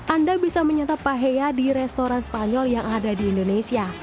anda bisa menyantap paheya di restoran spanyol yang ada di indonesia